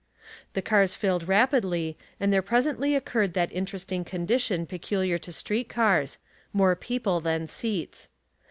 The cars filled rapidly and there presently occurred that interesting condi tion peculiar to street cars — more people than seats.